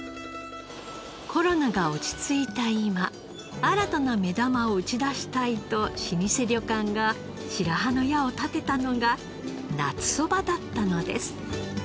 コロナが落ち着いた今新たな目玉を打ち出したいと老舗旅館が白羽の矢を立てたのが夏そばだったのです。